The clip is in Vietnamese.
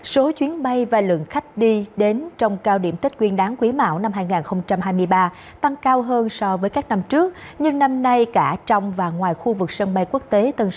số chuyến bay và lượng khách đi đến trong cao điểm tết quyên đáng quý mạo năm hai nghìn hai mươi ba tăng cao hơn so với các năm trước nhưng năm nay cả trong và ngoài khu vực sân bay quốc tế tân sơn